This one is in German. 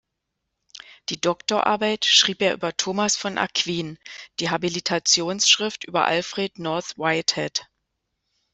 Die Doktorarbeit schrieb er über Thomas von Aquin, die Habilitationsschrift über Alfred North Whitehead.